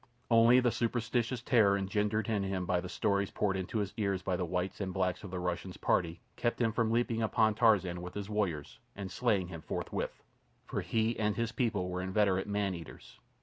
Only the superstitious terror engendered in him by the stories poured into his ears by the whites and blacks of the Russian's party kept him from leaping upon Tarzan with his warriors and slaying him forthwith, for he and his people were inveterate maneaters.